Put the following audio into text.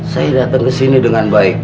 saya datang ke sini dengan baik